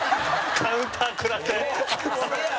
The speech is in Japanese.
カウンター食らって。